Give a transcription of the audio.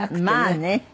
まあね。